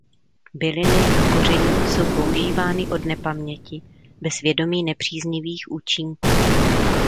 Byliny a koření jsou používány odnepaměti, bez vědomí nepříznivých účinků.